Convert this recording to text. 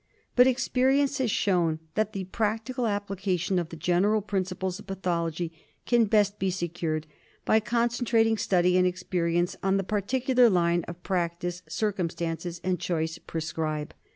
But experience has shown that the practical appli cation of the general principles of pathology can best be secured by concentrating study and experience on the particular line of practice circumstances and choice prescribe.